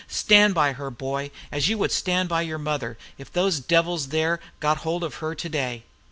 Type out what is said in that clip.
Stand by Her, boy, as you would stand by your mother, if those devils there had got hold of her to day!"